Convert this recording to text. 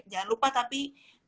jangan lupa tapi